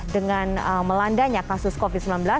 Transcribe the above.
dengan melandanya kasus covid sembilan belas